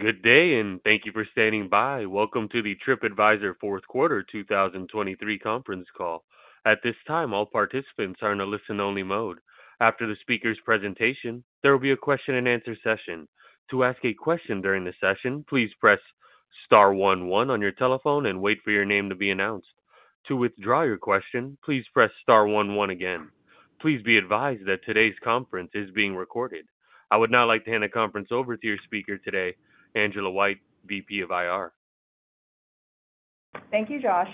Good day and thank you for standing by. Welcome to the Tripadvisor fourth quarter 2023 conference call. At this time, all participants are in a listen-only mode. After the speaker's presentation, there will be a question-and-answer session. To ask a question during the session, please press star one one on your telephone and wait for your name to be announced. To withdraw your question, please press star one one again. Please be advised that today's conference is being recorded. I would now like to hand the conference over to your speaker today, Angela White, VP of IR. Thank you, Josh.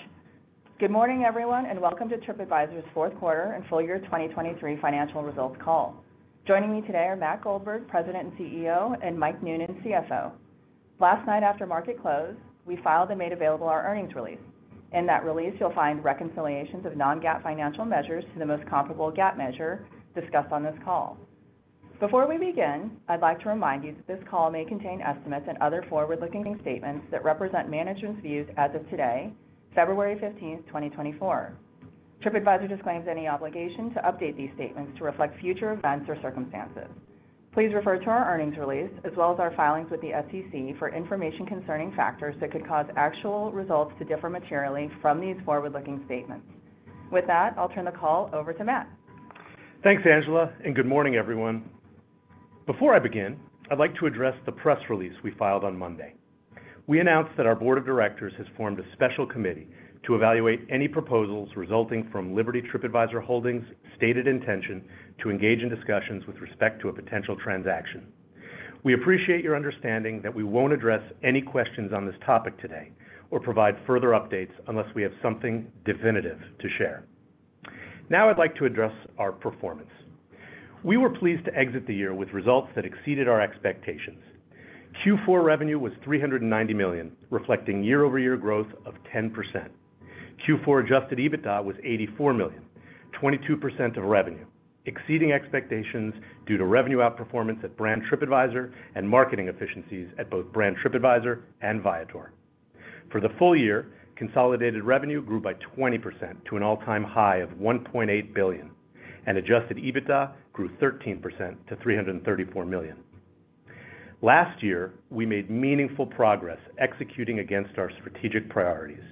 Good morning, everyone, and welcome to Tripadvisor's fourth quarter and full year 2023 financial results call. Joining me today are Matt Goldberg, President and CEO, and Mike Noonan, CFO. Last night after market close, we filed and made available our earnings release. In that release, you'll find reconciliations of non-GAAP financial measures to the most comparable GAAP measure discussed on this call. Before we begin, I'd like to remind you that this call may contain estimates and other forward-looking statements that represent management's views as of today, February 15, 2024. Tripadvisor disclaims any obligation to update these statements to reflect future events or circumstances. Please refer to our earnings release as well as our filings with the SEC for information concerning factors that could cause actual results to differ materially from these forward-looking statements. With that, I'll turn the call over to Matt. Thanks, Angela, and good morning, everyone. Before I begin, I'd like to address the press release we filed on Monday. We announced that our board of directors has formed a special committee to evaluate any proposals resulting from Liberty TripAdvisor Holdings' stated intention to engage in discussions with respect to a potential transaction. We appreciate your understanding that we won't address any questions on this topic today or provide further updates unless we have something definitive to share. Now I'd like to address our performance. We were pleased to exit the year with results that exceeded our expectations. Q4 revenue was $390 million, reflecting year-over-year growth of 10%. Q4 adjusted EBITDA was $84 million, 22% of revenue, exceeding expectations due to revenue outperformance at Brand Tripadvisor and marketing efficiencies at both Brand Tripadvisor and Viator. For the full year, consolidated revenue grew by 20% to an all-time high of $1.8 billion, and Adjusted EBITDA grew 13% to $334 million. Last year, we made meaningful progress executing against our strategic priorities.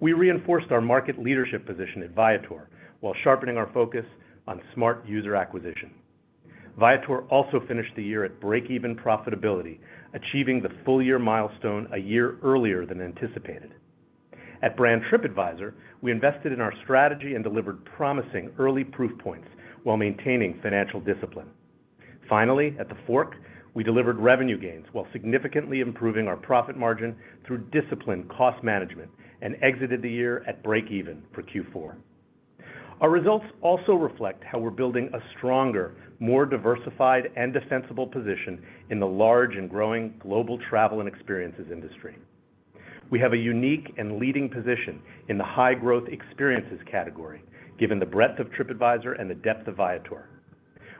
We reinforced our market leadership position at Viator while sharpening our focus on smart user acquisition. Viator also finished the year at break-even profitability, achieving the full-year milestone a year earlier than anticipated. At Brand Tripadvisor, we invested in our strategy and delivered promising early proof points while maintaining financial discipline. Finally, at TheFork, we delivered revenue gains while significantly improving our profit margin through disciplined cost management and exited the year at break-even for Q4. Our results also reflect how we're building a stronger, more diversified, and defensible position in the large and growing global travel and experiences industry. We have a unique and leading position in the high-growth experiences category, given the breadth of Tripadvisor and the depth of Viator.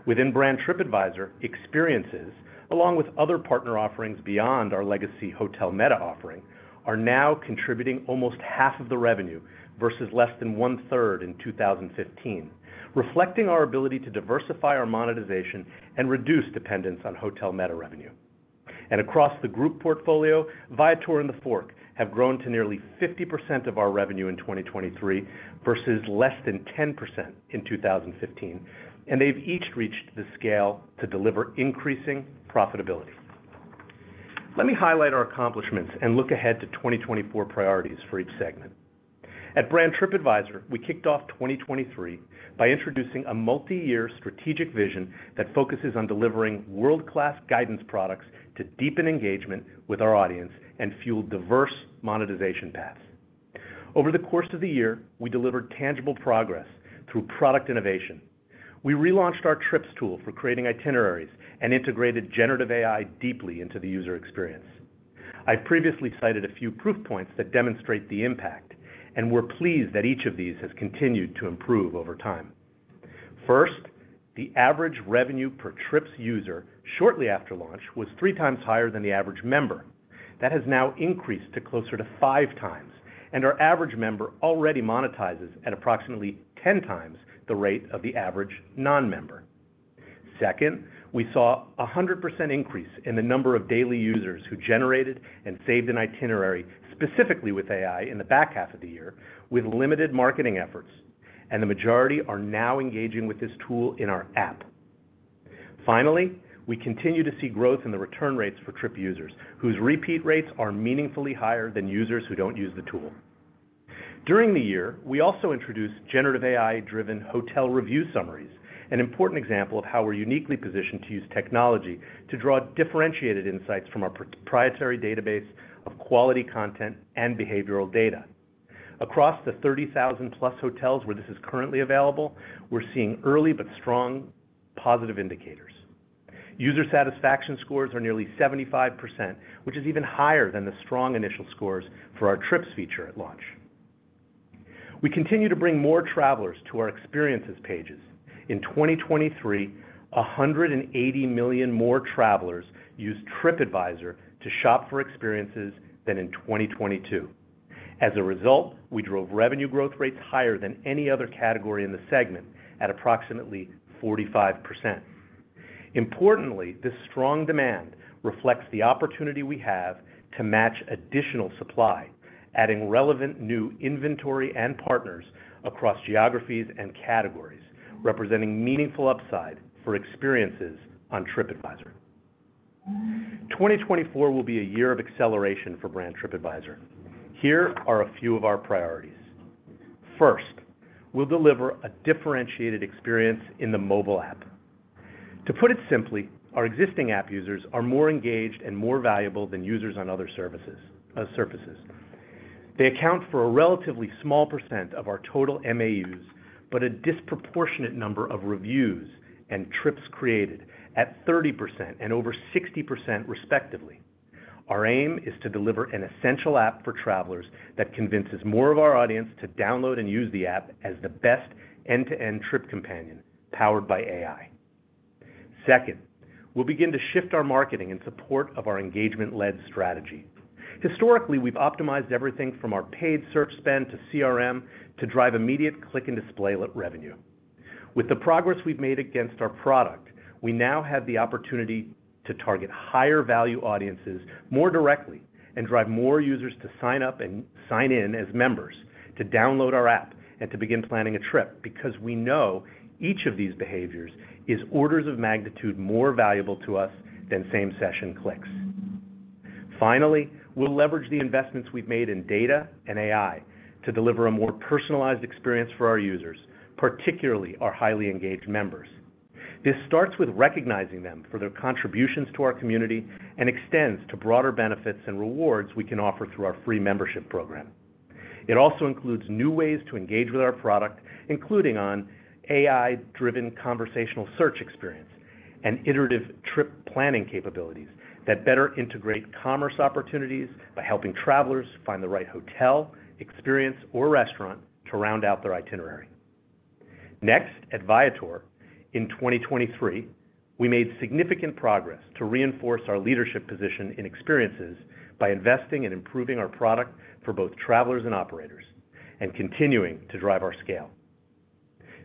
Within Brand Tripadvisor, experiences, along with other partner offerings beyond our legacy Hotel Meta offering, are now contributing almost half of the revenue versus less than one-third in 2015, reflecting our ability to diversify our monetization and reduce dependence on Hotel Meta revenue. Across the group portfolio, Viator and TheFork have grown to nearly 50% of our revenue in 2023 versus less than 10% in 2015, and they've each reached the scale to deliver increasing profitability. Let me highlight our accomplishments and look ahead to 2024 priorities for each segment. At Brand Tripadvisor, we kicked off 2023 by introducing a multi-year strategic vision that focuses on delivering world-class guidance products to deepen engagement with our audience and fuel diverse monetization paths. Over the course of the year, we delivered tangible progress through product innovation. We relaunched our Trips tool for creating itineraries and integrated generative AI deeply into the user experience. I've previously cited a few proof points that demonstrate the impact, and we're pleased that each of these has continued to improve over time. First, the average revenue per Trips user shortly after launch was 3 times higher than the average member. That has now increased to closer to 5 times, and our average member already monetizes at approximately 10 times the rate of the average non-member. Second, we saw a 100% increase in the number of daily users who generated and saved an itinerary specifically with AI in the back half of the year with limited marketing efforts, and the majority are now engaging with this tool in our app. Finally, we continue to see growth in the return rates for Trips users, whose repeat rates are meaningfully higher than users who don't use the tool. During the year, we also introduced generative AI-driven hotel review summaries, an important example of how we're uniquely positioned to use technology to draw differentiated insights from our proprietary database of quality content and behavioral data. Across the 30,000+ hotels where this is currently available, we're seeing early but strong positive indicators. User satisfaction scores are nearly 75%, which is even higher than the strong initial scores for our Trips feature at launch. We continue to bring more travelers to our experiences pages. In 2023, 180 million more travelers used Tripadvisor to shop for experiences than in 2022. As a result, we drove revenue growth rates higher than any other category in the segment at approximately 45%. Importantly, this strong demand reflects the opportunity we have to match additional supply, adding relevant new inventory and partners across geographies and categories, representing meaningful upside for experiences on Tripadvisor. 2024 will be a year of acceleration for Brand Tripadvisor. Here are a few of our priorities. First, we'll deliver a differentiated experience in the mobile app. To put it simply, our existing app users are more engaged and more valuable than users on other surfaces. They account for a relatively small percent of our total MAUs, but a disproportionate number of reviews and trips created, at 30% and over 60% respectively. Our aim is to deliver an essential app for travelers that convinces more of our audience to download and use the app as the best end-to-end trip companion powered by AI. Second, we'll begin to shift our marketing in support of our engagement-led strategy. Historically, we've optimized everything from our paid search spend to CRM to drive immediate click-and-display revenue. With the progress we've made against our product, we now have the opportunity to target higher-value audiences more directly and drive more users to sign up and sign in as members, to download our app, and to begin planning a trip because we know each of these behaviors is orders of magnitude more valuable to us than same-session clicks. Finally, we'll leverage the investments we've made in data and AI to deliver a more personalized experience for our users, particularly our highly engaged members. This starts with recognizing them for their contributions to our community and extends to broader benefits and rewards we can offer through our free membership program. It also includes new ways to engage with our product, including on AI-driven conversational search experience and iterative trip planning capabilities that better integrate commerce opportunities by helping travelers find the right hotel, experience, or restaurant to round out their itinerary. Next, at Viator, in 2023, we made significant progress to reinforce our leadership position in experiences by investing and improving our product for both travelers and operators, and continuing to drive our scale.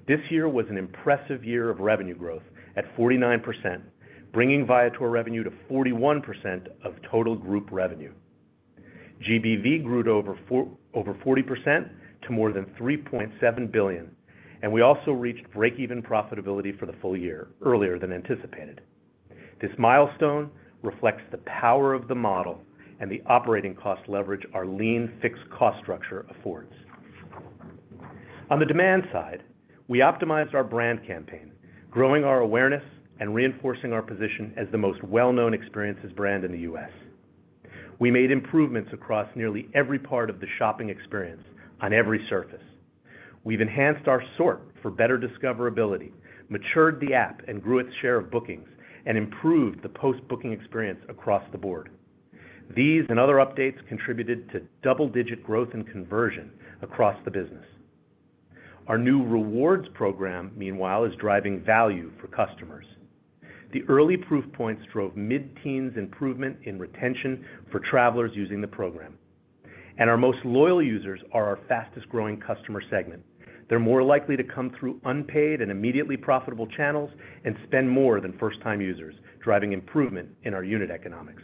This year was an impressive year of revenue growth at 49%, bringing Viator revenue to 41% of total group revenue. GBV grew to over 40% to more than $3.7 billion, and we also reached break-even profitability for the full year earlier than anticipated. This milestone reflects the power of the model and the operating cost leverage our lean fixed cost structure affords. On the demand side, we optimized our brand campaign, growing our awareness and reinforcing our position as the most well-known experiences brand in the U.S. We made improvements across nearly every part of the shopping experience on every surface. We've enhanced our sort for better discoverability, matured the app and grew its share of bookings, and improved the post-booking experience across the board. These and other updates contributed to double-digit growth and conversion across the business. Our new rewards program, meanwhile, is driving value for customers. The early proof points drove mid-teens improvement in retention for travelers using the program. Our most loyal users are our fastest-growing customer segment. They're more likely to come through unpaid and immediately profitable channels and spend more than first-time users, driving improvement in our unit economics.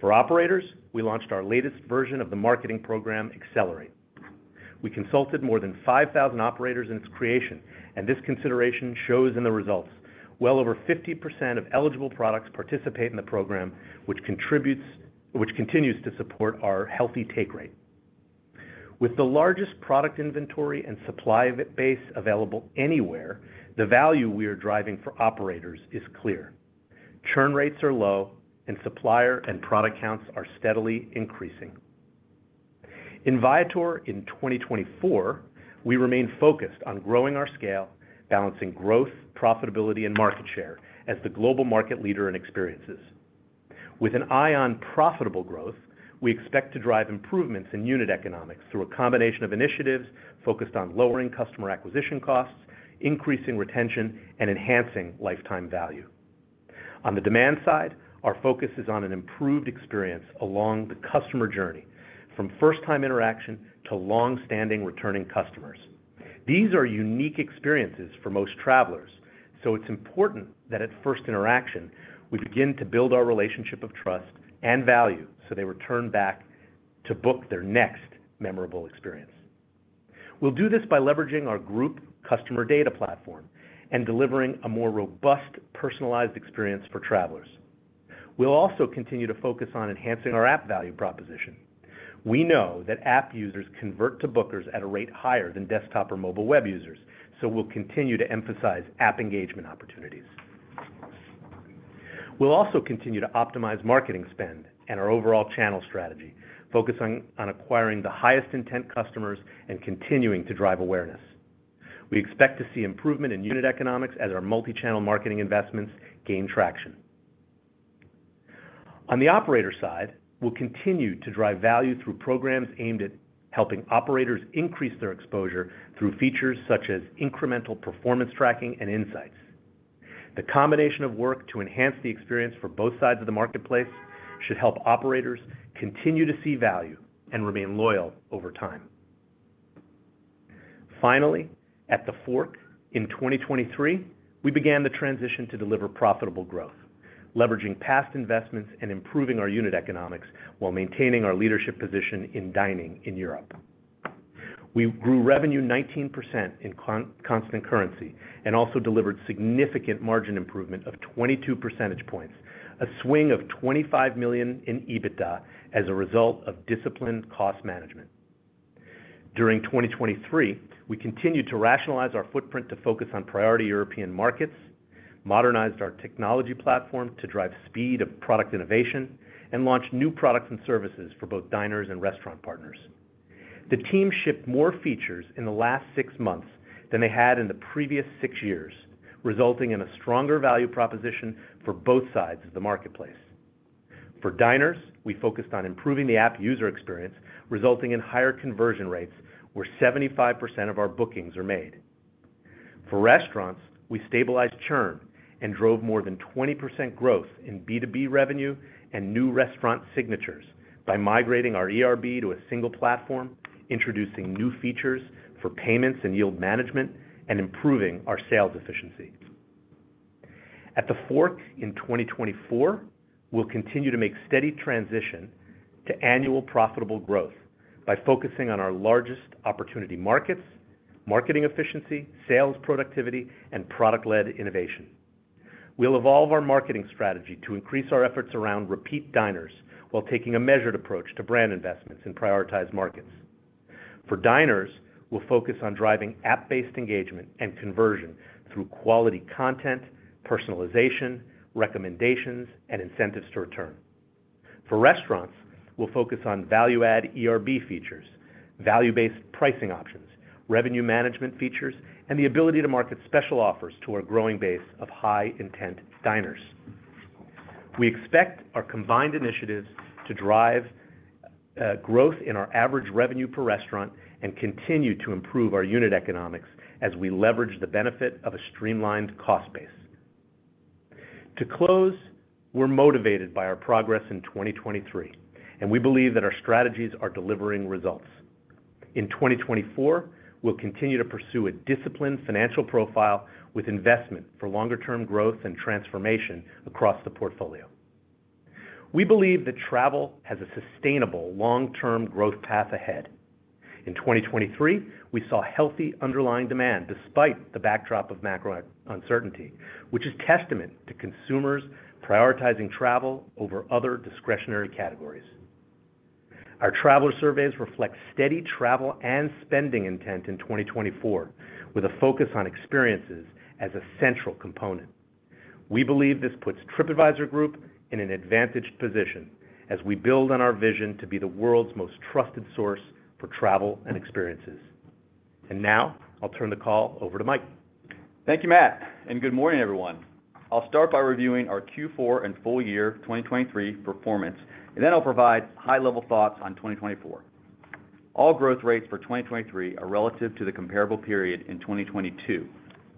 For operators, we launched our latest version of the marketing program, Accelerate. We consulted more than 5,000 operators in its creation, and this consideration shows in the results. Well over 50% of eligible products participate in the program, which continues to support our healthy take rate. With the largest product inventory and supply base available anywhere, the value we are driving for operators is clear. Churn rates are low, and supplier and product counts are steadily increasing. In Viator in 2024, we remain focused on growing our scale, balancing growth, profitability, and market share as the global market leader in experiences. With an eye on profitable growth, we expect to drive improvements in unit economics through a combination of initiatives focused on lowering customer acquisition costs, increasing retention, and enhancing lifetime value. On the demand side, our focus is on an improved experience along the customer journey, from first-time interaction to long-standing returning customers. These are unique experiences for most travelers, so it's important that at first interaction, we begin to build our relationship of trust and value so they return back to book their next memorable experience. We'll do this by leveraging our group customer data platform and delivering a more robust personalized experience for travelers. We'll also continue to focus on enhancing our app value proposition. We know that app users convert to bookers at a rate higher than desktop or mobile web users, so we'll continue to emphasize app engagement opportunities. We'll also continue to optimize marketing spend and our overall channel strategy, focusing on acquiring the highest intent customers and continuing to drive awareness. We expect to see improvement in unit economics as our multi-channel marketing investments gain traction. On the operator side, we'll continue to drive value through programs aimed at helping operators increase their exposure through features such as incremental performance tracking and insights. The combination of work to enhance the experience for both sides of the marketplace should help operators continue to see value and remain loyal over time. Finally, at TheFork, in 2023, we began the transition to deliver profitable growth, leveraging past investments and improving our unit economics while maintaining our leadership position in dining in Europe. We grew revenue 19% in constant currency and also delivered significant margin improvement of 22 percentage points, a swing of $25 million in EBITDA as a result of disciplined cost management. During 2023, we continued to rationalize our footprint to focus on priority European markets, modernized our technology platform to drive speed of product innovation, and launched new products and services for both diners and restaurant partners. The team shipped more features in the last six months than they had in the previous six years, resulting in a stronger value proposition for both sides of the marketplace. For diners, we focused on improving the app user experience, resulting in higher conversion rates where 75% of our bookings are made. For restaurants, we stabilized churn and drove more than 20% growth in B2B revenue and new restaurant signatures by migrating our ERB to a single platform, introducing new features for payments and yield management, and improving our sales efficiency. At TheFork in 2024, we'll continue to make steady transition to annual profitable growth by focusing on our largest opportunity markets, marketing efficiency, sales productivity, and product-led innovation. We'll evolve our marketing strategy to increase our efforts around repeat diners while taking a measured approach to brand investments in prioritized markets. For diners, we'll focus on driving app-based engagement and conversion through quality content, personalization, recommendations, and incentives to return. For restaurants, we'll focus on value-add ERB features, value-based pricing options, revenue management features, and the ability to market special offers to our growing base of high-intent diners. We expect our combined initiatives to drive growth in our average revenue per restaurant and continue to improve our unit economics as we leverage the benefit of a streamlined cost base. To close, we're motivated by our progress in 2023, and we believe that our strategies are delivering results. In 2024, we'll continue to pursue a disciplined financial profile with investment for longer-term growth and transformation across the portfolio. We believe that travel has a sustainable long-term growth path ahead. In 2023, we saw healthy underlying demand despite the backdrop of macro uncertainty, which is testament to consumers prioritizing travel over other discretionary categories. Our traveler surveys reflect steady travel and spending intent in 2024, with a focus on experiences as a central component. We believe this puts Tripadvisor Group in an advantaged position as we build on our vision to be the world's most trusted source for travel and experiences. Now I'll turn the call over to Mike. Thank you, Matt. Good morning, everyone. I'll start by reviewing our Q4 and full year 2023 performance, and then I'll provide high-level thoughts on 2024. All growth rates for 2023 are relative to the comparable period in 2022,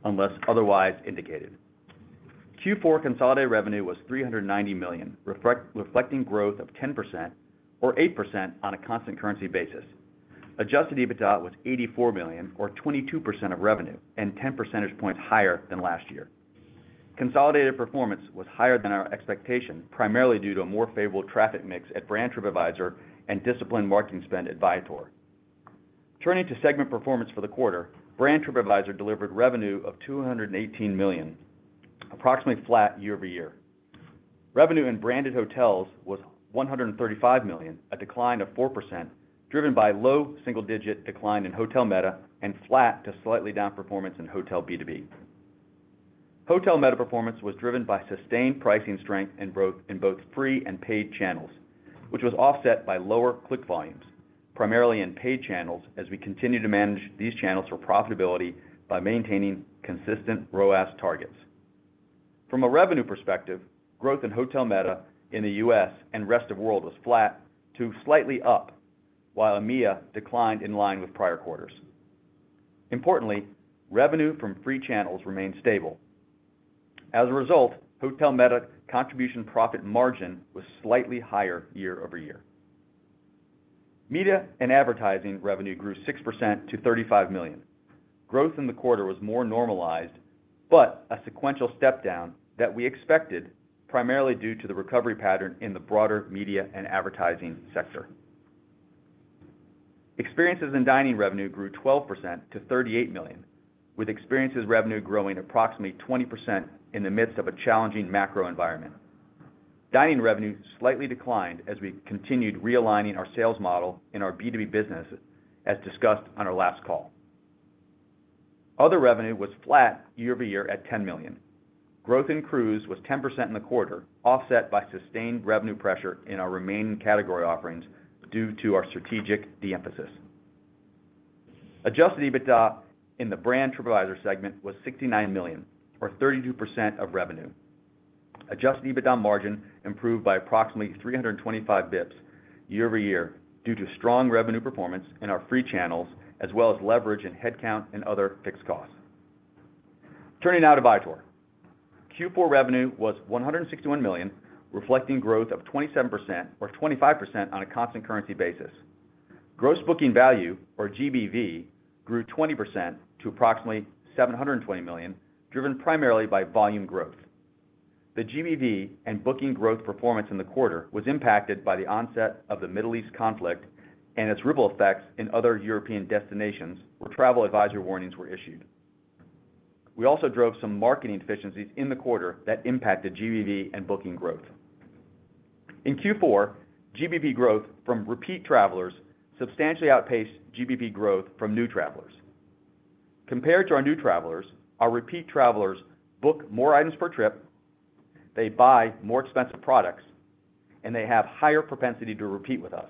unless otherwise indicated. Q4 consolidated revenue was $390 million, reflecting growth of 10% or 8% on a constant currency basis. Adjusted EBITDA was $84 million, or 22% of revenue, and 10 percentage points higher than last year. Consolidated performance was higher than our expectation, primarily due to a more favorable traffic mix at Brand Tripadvisor and disciplined marketing spend at Viator. Turning to segment performance for the quarter, Brand Tripadvisor delivered revenue of $218 million, approximately flat year-over-year. Revenue in branded hotels was $135 million, a decline of 4% driven by low single-digit decline in Hotel Meta and flat to slightly down performance in hotel B2B. Hotel Meta performance was driven by sustained pricing strength and growth in both free and paid channels, which was offset by lower click volumes, primarily in paid channels as we continue to manage these channels for profitability by maintaining consistent ROAS targets. From a revenue perspective, growth in Hotel Meta in the US and rest of the world was flat to slightly up, while EMEA declined in line with prior quarters. Importantly, revenue from free channels remained stable. As a result, Hotel Meta contribution profit margin was slightly higher year-over-year. Media and Advertising revenue grew 6% to $35 million. Growth in the quarter was more normalized, but a sequential step down that we expected, primarily due to the recovery pattern in the broader media and advertising sector. Experiences and Dining revenue grew 12% to $38 million, with experiences revenue growing approximately 20% in the midst of a challenging macro environment. Dining revenue slightly declined as we continued realigning our sales model in our B2B business, as discussed on our last call. Other revenue was flat year-over-year at $10 million. Growth in cruise was 10% in the quarter, offset by sustained revenue pressure in our remaining category offerings due to our strategic de-emphasis. Adjusted EBITDA in the Brand Tripadvisor segment was $69 million, or 32% of revenue. Adjusted EBITDA margin improved by approximately 325 basis points year-over-year due to strong revenue performance in our free channels, as well as leverage in headcount and other fixed costs. Turning now to Viator, Q4 revenue was $161 million, reflecting growth of 27% or 25% on a constant currency basis. Gross booking value, or GBV, grew 20% to approximately $720 million, driven primarily by volume growth. The GBV and booking growth performance in the quarter was impacted by the onset of the Middle East conflict and its ripple effects in other European destinations where travel advisory warnings were issued. We also drove some marketing deficiencies in the quarter that impacted GBV and booking growth. In Q4, GBV growth from repeat travelers substantially outpaced GBV growth from new travelers. Compared to our new travelers, our repeat travelers book more items per trip, they buy more expensive products, and they have higher propensity to repeat with us,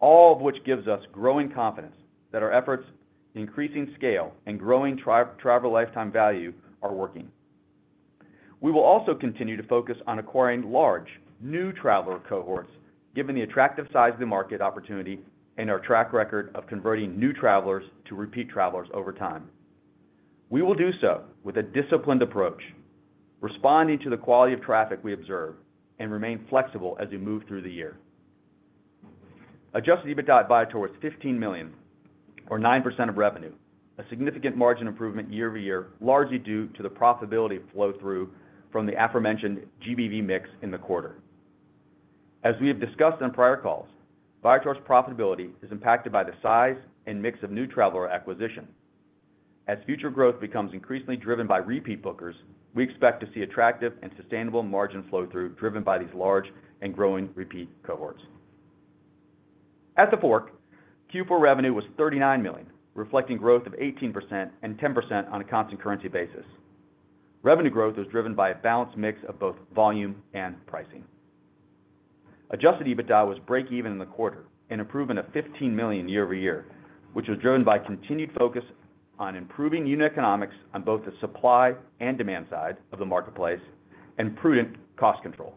all of which gives us growing confidence that our efforts to increase scale and growing travel lifetime value are working. We will also continue to focus on acquiring large new traveler cohorts, given the attractive size of the market opportunity and our track record of converting new travelers to repeat travelers over time. We will do so with a disciplined approach, responding to the quality of traffic we observe, and remain flexible as we move through the year. Adjusted EBITDA at Viator was $15 million, or 9% of revenue, a significant margin improvement year-over-year, largely due to the profitability flow-through from the aforementioned GBV mix in the quarter. As we have discussed on prior calls, Viator's profitability is impacted by the size and mix of new traveler acquisition. As future growth becomes increasingly driven by repeat bookers, we expect to see attractive and sustainable margin flow-through driven by these large and growing repeat cohorts. At TheFork, Q4 revenue was $39 million, reflecting growth of 18% and 10% on a constant currency basis. Revenue growth was driven by a balanced mix of both volume and pricing. Adjusted EBITDA was break-even in the quarter and improvement of $15 million year-over-year, which was driven by continued focus on improving unit economics on both the supply and demand side of the marketplace and prudent cost control.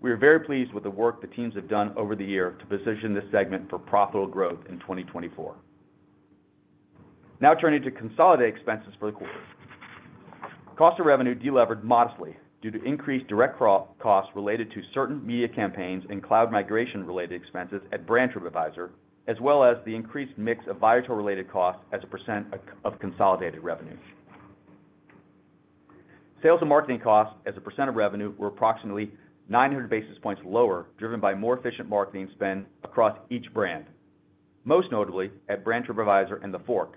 We are very pleased with the work the teams have done over the year to position this segment for profitable growth in 2024. Now turning to consolidated expenses for the quarter. Cost of revenue delevered modestly due to increased direct costs related to certain media campaigns and cloud migration-related expenses at Brand Tripadvisor, as well as the increased mix of Viator-related costs as a percent of consolidated revenue. Sales and marketing costs as a percent of revenue were approximately 900 basis points lower, driven by more efficient marketing spend across each brand, most notably at Brand Tripadvisor and TheFork,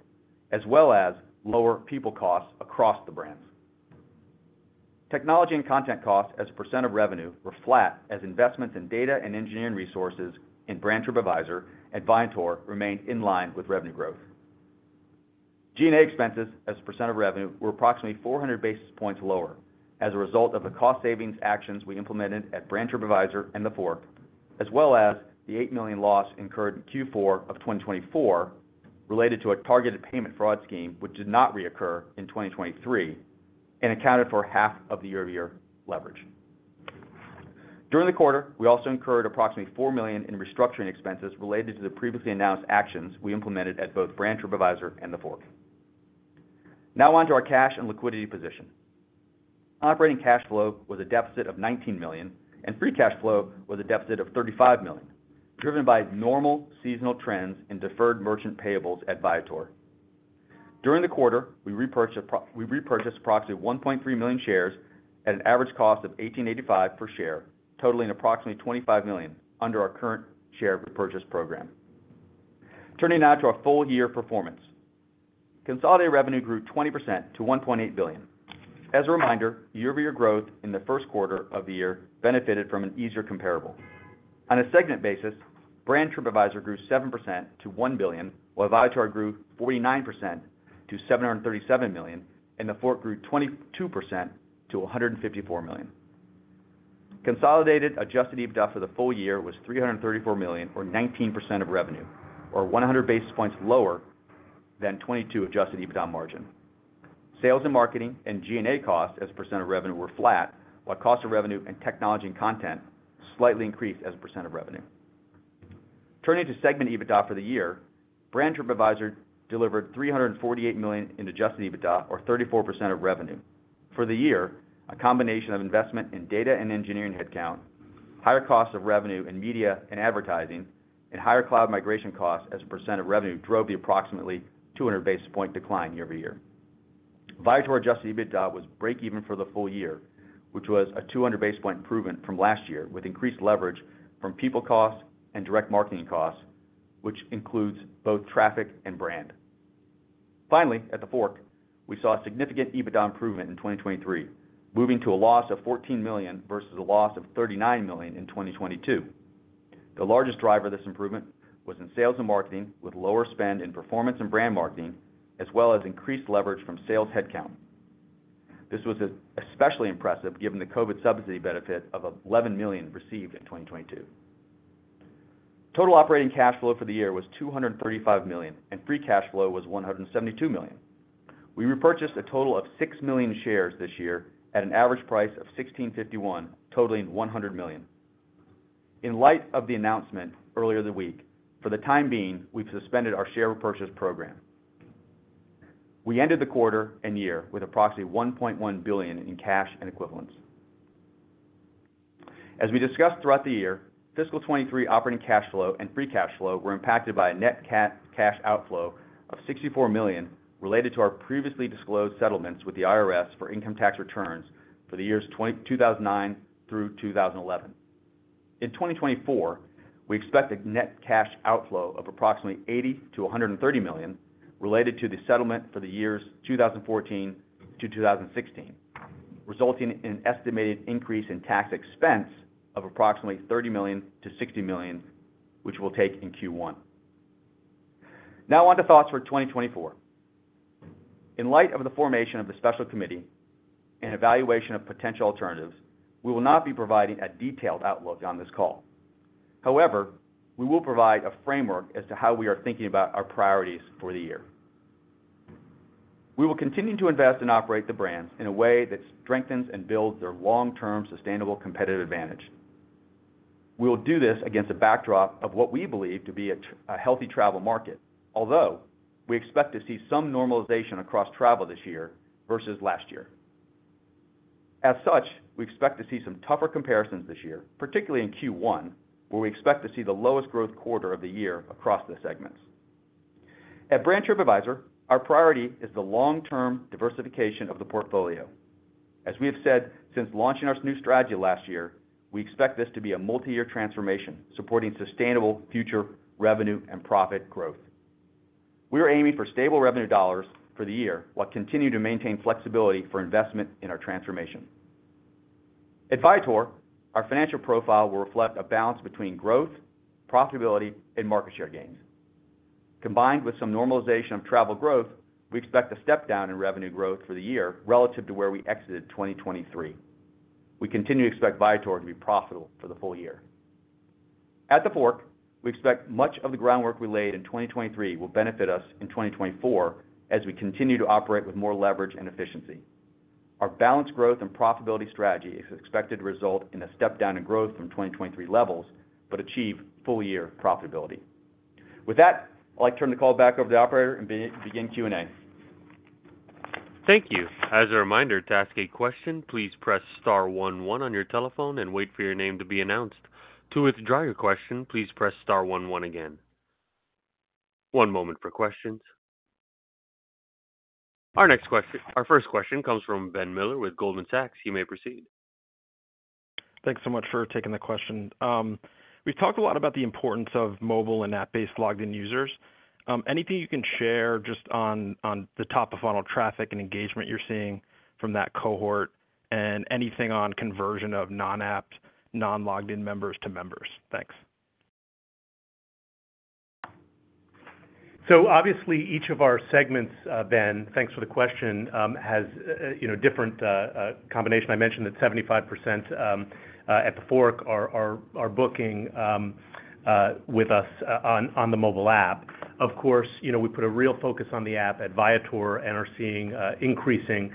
as well as lower people costs across the brands. Technology and content costs as a percent of revenue were flat, as investments in data and engineering resources in Brand Tripadvisor and Viator remained in line with revenue growth. G&A expenses as a percent of revenue were approximately 400 basis points lower as a result of the cost-savings actions we implemented at Brand Tripadvisor and TheFork, as well as the $8 million loss incurred in Q4 of 2024 related to a targeted payment fraud scheme, which did not reoccur in 2023 and accounted for half of the year-over-year leverage. During the quarter, we also incurred approximately $4 million in restructuring expenses related to the previously announced actions we implemented at both Brand Tripadvisor and TheFork. Now onto our cash and liquidity position. Operating cash flow was a deficit of $19 million, and free cash flow was a deficit of $35 million, driven by normal seasonal trends in deferred merchant payables at Viator. During the quarter, we repurchased approximately 1.3 million shares at an average cost of $18.85 per share, totaling approximately $25 million under our current share repurchase program. Turning now to our full year performance. Consolidated revenue grew 20% to $1.8 billion. As a reminder, year-over-year growth in the first quarter of the year benefited from an easier comparable. On a segment basis, Brand Tripadvisor grew 7% to $1 billion, while Viator grew 49% to $737 million, and TheFork grew 22% to $154 million. Consolidated Adjusted EBITDA for the full year was $334 million, or 19% of revenue, or 100 basis points lower than 22% Adjusted EBITDA margin. Sales and marketing and G&A costs as a percent of revenue were flat, while cost of revenue and technology and content slightly increased as a percent of revenue. Turning to segment EBITDA for the year, Brand Tripadvisor delivered $348 million in adjusted EBITDA, or 34% of revenue. For the year, a combination of investment in data and engineering headcount, higher costs of revenue in media and advertising, and higher cloud migration costs as a percent of revenue drove the approximately 200 basis point decline year-over-year. Viator adjusted EBITDA was break-even for the full year, which was a 200 basis point improvement from last year, with increased leverage from people costs and direct marketing costs, which includes both traffic and brand. Finally, at TheFork, we saw a significant EBITDA improvement in 2023, moving to a loss of $14 million versus a loss of $39 million in 2022. The largest driver of this improvement was in sales and marketing, with lower spend in performance and brand marketing, as well as increased leverage from sales headcount. This was especially impressive given the COVID subsidy benefit of $11 million received in 2022. Total operating cash flow for the year was $235 million, and free cash flow was $172 million. We repurchased a total of six million shares this year at an average price of $16.51, totaling $100 million. In light of the announcement earlier this week, for the time being, we've suspended our share repurchase program. We ended the quarter and year with approximately $1.1 billion in cash and equivalents. As we discussed throughout the year, fiscal 2023 operating cash flow and free cash flow were impacted by a net cash outflow of $64 million related to our previously disclosed settlements with the IRS for income tax returns for the years 2009 through 2011. In 2024, we expect a net cash outflow of approximately $80 million-$130 million related to the settlement for the years 2014 to 2016, resulting in an estimated increase in tax expense of approximately $30 million-$60 million, which we'll take in Q1. Now onto thoughts for 2024. In light of the formation of the special committee and evaluation of potential alternatives, we will not be providing a detailed outlook on this call. However, we will provide a framework as to how we are thinking about our priorities for the year. We will continue to invest and operate the brands in a way that strengthens and builds their long-term sustainable competitive advantage. We will do this against a backdrop of what we believe to be a healthy travel market, although we expect to see some normalization across travel this year versus last year. As such, we expect to see some tougher comparisons this year, particularly in Q1, where we expect to see the lowest growth quarter of the year across the segments. At Brand Tripadvisor, our priority is the long-term diversification of the portfolio. As we have said since launching our new strategy last year, we expect this to be a multi-year transformation supporting sustainable future revenue and profit growth. We are aiming for stable revenue dollars for the year while continuing to maintain flexibility for investment in our transformation. At Viator, our financial profile will reflect a balance between growth, profitability, and market share gains. Combined with some normalization of travel growth, we expect a step down in revenue growth for the year relative to where we exited 2023. We continue to expect Viator to be profitable for the full year. At TheFork, we expect much of the groundwork we laid in 2023 will benefit us in 2024 as we continue to operate with more leverage and efficiency. Our balanced growth and profitability strategy is expected to result in a step down in growth from 2023 levels but achieve full-year profitability. With that, I'd like to turn the call back over to the operator and begin Q&A. Thank you. As a reminder, to ask a question, please press star one one on your telephone and wait for your name to be announced. To withdraw your question, please press star one one again. One moment for questions. Our first question comes from Ben Miller with Goldman Sachs. You may proceed. Thanks so much for taking the question. We've talked a lot about the importance of mobile and app-based logged-in users. Anything you can share just on the top of funnel traffic and engagement you're seeing from that cohort, and anything on conversion of non-apped, non-logged-in members to members? Thanks. So obviously, each of our segments, Ben, thanks for the question, has a different combination. I mentioned that 75% at TheFork are booking with us on the mobile app. Of course, we put a real focus on the app at Viator and are seeing an increasing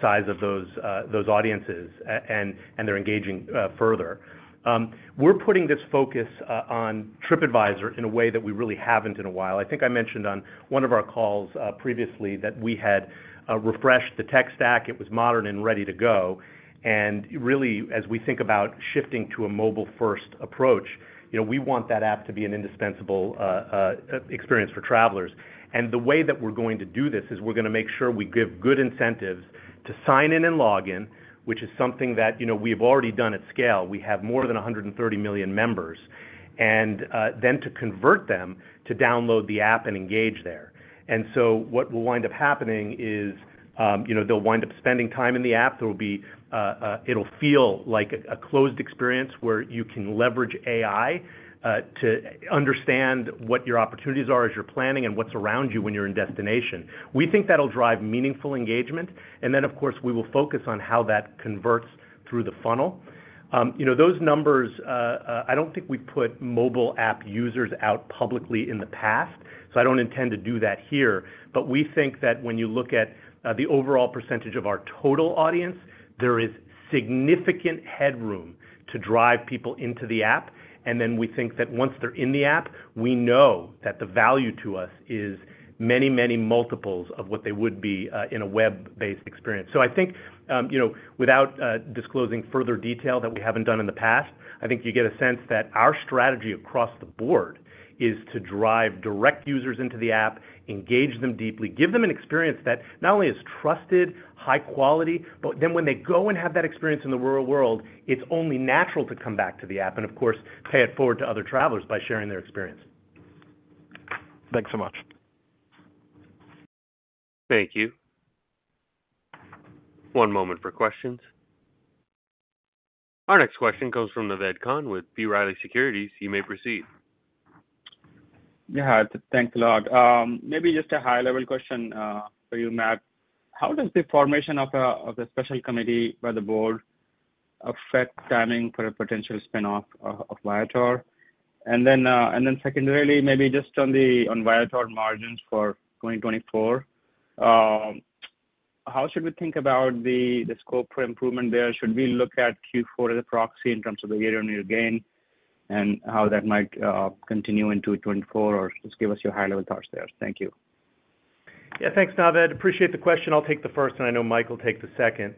size of those audiences, and they're engaging further. We're putting this focus on Tripadvisor in a way that we really haven't in a while. I think I mentioned on one of our calls previously that we had refreshed the tech stack. It was modern and ready to go. And really, as we think about shifting to a mobile-first approach, we want that app to be an indispensable experience for travelers. And the way that we're going to do this is we're going to make sure we give good incentives to sign in and log in, which is something that we have already done at scale. We have more than 130 million members, and then to convert them to download the app and engage there. And so what will wind up happening is they'll wind up spending time in the app. It'll feel like a closed experience where you can leverage AI to understand what your opportunities are as you're planning and what's around you when you're in destination. We think that'll drive meaningful engagement. And then, of course, we will focus on how that converts through the funnel. Those numbers, I don't think we've put mobile app users out publicly in the past, so I don't intend to do that here. But we think that when you look at the overall percentage of our total audience, there is significant headroom to drive people into the app. And then we think that once they're in the app, we know that the value to us is many, many multiples of what they would be in a web-based experience. So I think without disclosing further detail that we haven't done in the past, I think you get a sense that our strategy across the board is to drive direct users into the app, engage them deeply, give them an experience that not only is trusted, high quality, but then when they go and have that experience in the real world, it's only natural to come back to the app and, of course, pay it forward to other travelers by sharing their experience. Thanks so much. Thank you. One moment for questions. Our next question comes from Naved Khan with B. Riley Securities. You may proceed. Yeah. Thanks a lot. Maybe just a high-level question for you, Matt. How does the formation of the special committee by the board affect timing for a potential spinoff of Viator? And then secondarily, maybe just on Viator margins for 2024, how should we think about the scope for improvement there? Should we look at Q4 as a proxy in terms of the year-on-year gain and how that might continue into 2024? Or just give us your high-level thoughts there. Thank you. Yeah. Thanks, Naved. Appreciate the question. I'll take the first, and I know Mike will take the second.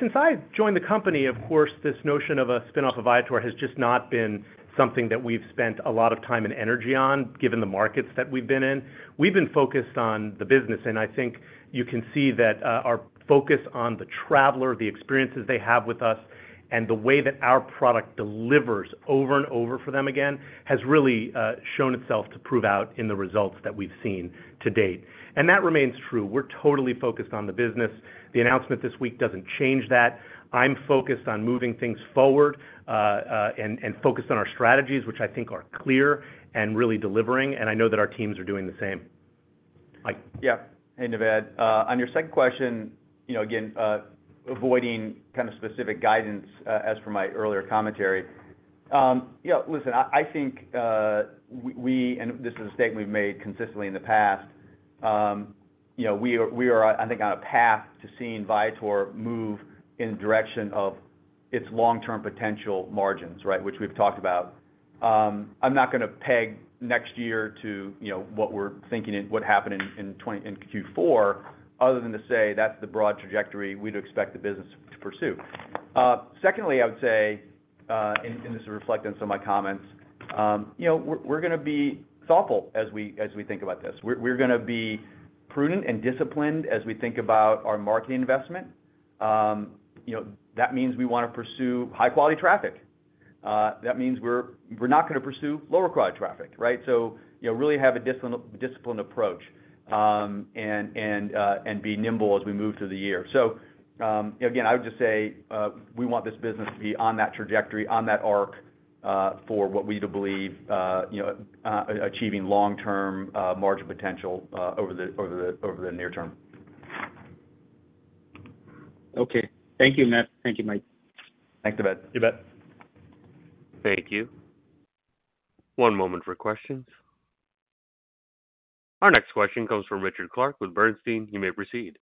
Since I joined the company, of course, this notion of a spinoff of Viator has just not been something that we've spent a lot of time and energy on, given the markets that we've been in. We've been focused on the business. I think you can see that our focus on the traveler, the experiences they have with us, and the way that our product delivers over and over for them again has really shown itself to prove out in the results that we've seen to date. That remains true. We're totally focused on the business. The announcement this week doesn't change that. I'm focused on moving things forward and focused on our strategies, which I think are clear and really delivering. I know that our teams are doing the same. Mike. Yeah. Hey, Naved. On your second question, again, avoiding kind of specific guidance as per my earlier commentary, listen, I think we and this is a statement we've made consistently in the past. We are, I think, on a path to seeing Viator move in the direction of its long-term potential margins, right, which we've talked about. I'm not going to peg next year to what we're thinking and what happened in Q4 other than to say that's the broad trajectory we'd expect the business to pursue. Secondly, I would say, and this will reflect on some of my comments, we're going to be thoughtful as we think about this. We're going to be prudent and disciplined as we think about our marketing investment. That means we want to pursue high-quality traffic. That means we're not going to pursue lower-quality traffic, right, so really have a disciplined approach and be nimble as we move through the year. So again, I would just say we want this business to be on that trajectory, on that arc for what we believe achieving long-term margin potential over the near term. Okay. Thank you, Matt. Thank you, Mike. Thanks, Naved. You bet. Thank you. One moment for questions. Our next question comes from Richard Clarke with Bernstein. You may proceed.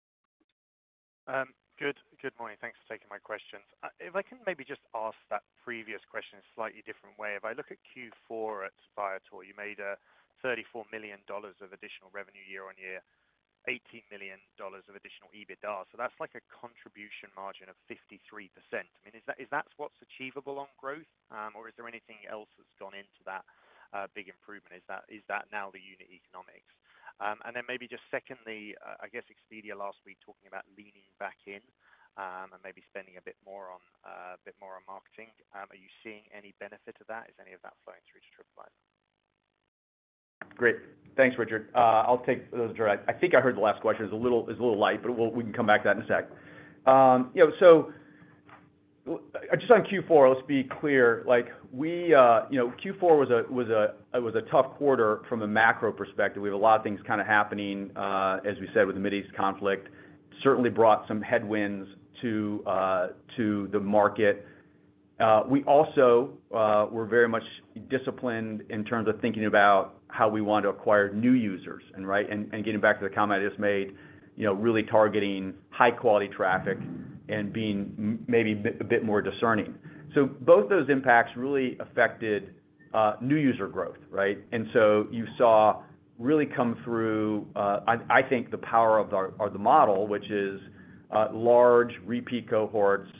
Good morning. Thanks for taking my questions. If I can maybe just ask that previous question in a slightly different way. If I look at Q4 at Viator, you made $34 million of additional revenue year-on-year, $18 million of additional EBITDA. So that's a contribution margin of 53%. I mean, is that what's achievable on growth, or is there anything else that's gone into that big improvement? Is that now the unit economics? And then maybe just secondly, I guess Expedia last week talking about leaning back in and maybe spending a bit more on marketing. Are you seeing any benefit of that? Is any of that flowing through to Tripadvisor? Great. Thanks, Richard. I'll take those directly. I think I heard the last question. It's a little light, but we can come back to that in a sec. So just on Q4, let's be clear. Q4 was a tough quarter from a macro perspective. We have a lot of things kind of happening, as we said, with the Mideast conflict. Certainly brought some headwinds to the market. We also were very much disciplined in terms of thinking about how we want to acquire new users, right? And getting back to the comment I just made, really targeting high-quality traffic and being maybe a bit more discerning. So both those impacts really affected new user growth, right? And so you saw really come through, I think, the power of the model, which is large repeat cohorts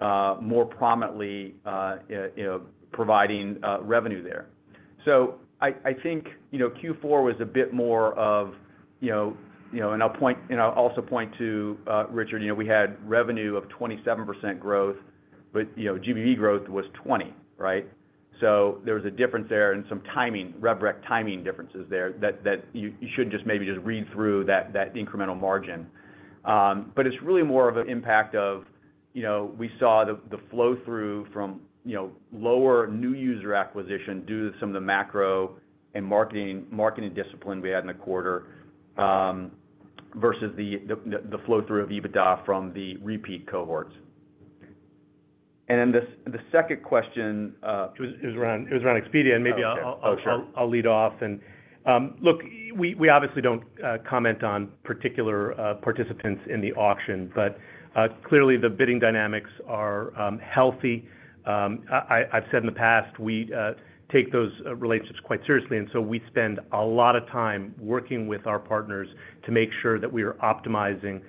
more prominently providing revenue there. So I think Q4 was a bit more of, and I'll also point to, Richard, we had revenue of 27% growth, but GBV growth was 20%, right? So there was a difference there and some timing, rebook timing differences there that you shouldn't just maybe just read through that incremental margin. But it's really more of an impact of we saw the flow-through from lower new user acquisition due to some of the macro and marketing discipline we had in the quarter versus the flow-through of EBITDA from the repeat cohorts. And then the second question. It was around Expedia. And maybe I'll lead off. And look, we obviously don't comment on particular participants in the auction, but clearly, the bidding dynamics are healthy. I've said in the past, we take those relationships quite seriously. And so we spend a lot of time working with our partners to make sure that we are optimizing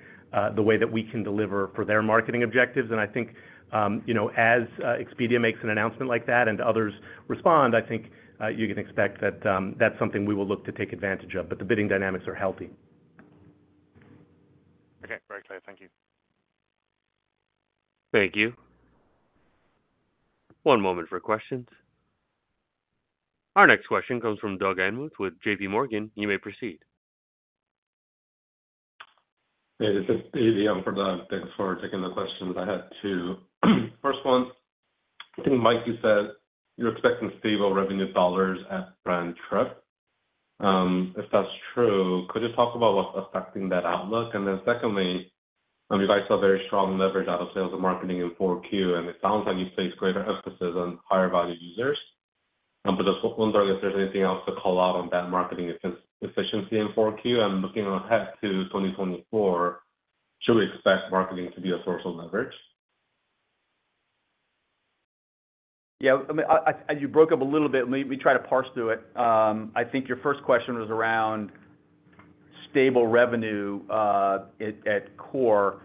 the way that we can deliver for their marketing objectives. And I think as Expedia makes an announcement like that and others respond, I think you can expect that that's something we will look to take advantage of. But the bidding dynamics are healthy. Okay. Very clear. Thank you. Thank you. One moment for questions. Our next question comes from Doug Anmuth with JPMorgan. You may proceed. Hey, this is EDM for Doug. Thanks for taking the questions. I had two. First one, I think, Mike, you said you're expecting stable revenue dollars at Brand Tripadvisor. If that's true, could you talk about what's affecting that outlook? And then secondly, you guys saw very strong leverage out of sales and marketing in 4Q, and it sounds like you place greater emphasis on higher-value users. But just one thing, if there's anything else to call out on that marketing efficiency in 4Q and looking ahead to 2024, should we expect marketing to be a source of leverage? Yeah. I mean, you broke up a little bit. Let me try to parse through it. I think your first question was around stable revenue at core.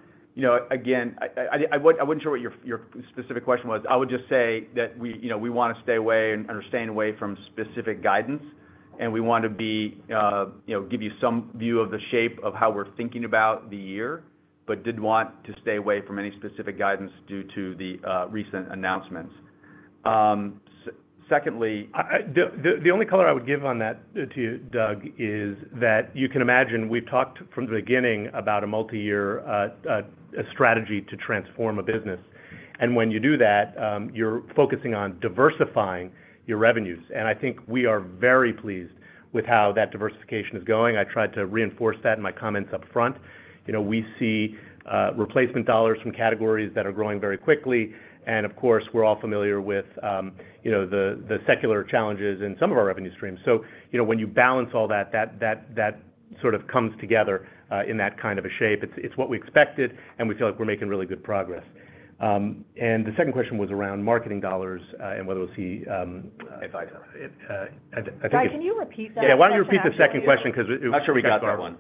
Again, I wouldn't share what your specific question was. I would just say that we want to stay away and understand away from specific guidance. We want to give you some view of the shape of how we're thinking about the year, but did want to stay away from any specific guidance due to the recent announcements. Secondly. The only color I would give on that to you, Doug, is that you can imagine we've talked from the beginning about a multiyear strategy to transform a business. And when you do that, you're focusing on diversifying your revenues. And I think we are very pleased with how that diversification is going. I tried to reinforce that in my comments upfront. We see replacement dollars from categories that are growing very quickly. And of course, we're all familiar with the secular challenges in some of our revenue streams. So when you balance all that, that sort of comes together in that kind of a shape. It's what we expected, and we feel like we're making really good progress. And the second question was around marketing dollars and whether we'll see. At Viator. I think it's. Mike, can you repeat that? Yeah. Why don't you repeat the second question because I'm sure we got that one.